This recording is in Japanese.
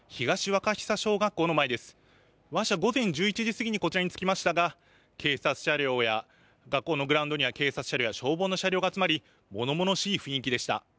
私は午前１１時過ぎにこちらにつきましたが警察車両や学校のグラウンドには消防の車両が集まりものものしい雰囲気でした。